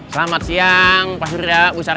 selamat siang pak suria bu sarah